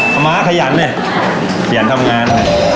คมะขยันเนี่ยอยากทำงาน